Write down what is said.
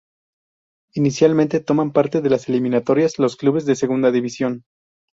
Inicialmente toman parte en las eliminatorias los clubes de Segunda División.